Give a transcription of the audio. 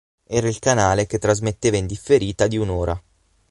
Era il canale che trasmetteva in differita di un'ora.